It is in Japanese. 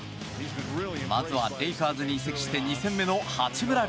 まずはレイカーズに移籍して２戦目の八村塁。